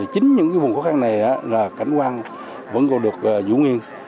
chính những vùng khó khăn này cảnh quan vẫn còn được dũ nghiên